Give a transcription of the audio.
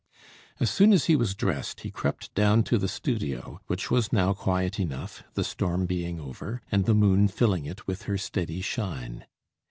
As soon as he was dressed, he crept down to the studio, which was now quiet enough, the storm being over, and the moon filling it with her steady shine.